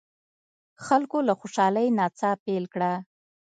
خلکو له خوشالۍ نڅا پیل کړه.